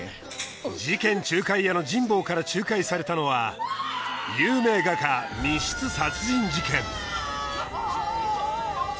事件仲介屋の神保から仲介されたのは有名画家密室殺人事件